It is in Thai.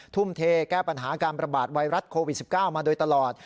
ทุ่มเทแก้ปัญหาการประบาดไวรัสโควิด๑๙มาโดยตลอด